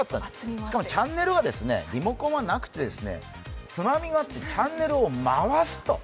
しかもチャンネルはリモコンはなくて、つまみ、チャンネルを回す。